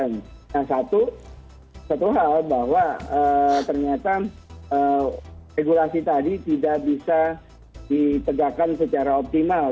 nah satu hal bahwa ternyata regulasi tadi tidak bisa ditegakkan secara optimal